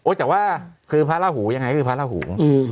โอ้ยแต่ว่าคือพระล่าหูยังไงคือพระล่าหู